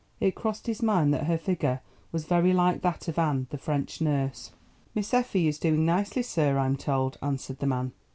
It crossed his mind that her figure was very like that of Anne, the French nurse. "Miss Effie is doing nicely, sir, I'm told," answered the man.